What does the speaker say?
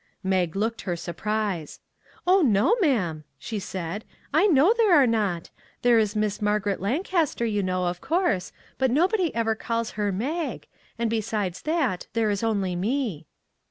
" Mag looked her surprise. " Oh, no, ma'am," she said, " I know there are not. There is Miss Margaret Lancaster, you know, of course, but nobody ever calls her Mag, and besides that there is only me."